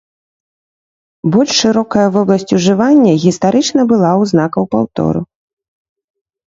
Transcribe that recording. Больш шырокая вобласць ужывання гістарычна была ў знакаў паўтору.